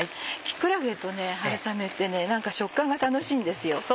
木くらげと春雨って何か食感が楽しいんですよ。